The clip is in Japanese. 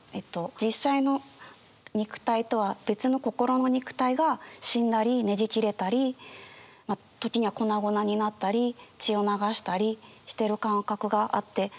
実際の肉体とは別の心の肉体が死んだりねじ切れたり時には粉々になったり血を流したりしてる感覚があって。